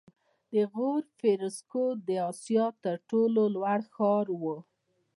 د غور فیروزکوه د اسیا تر ټولو لوړ ښار و